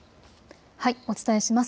お伝えします。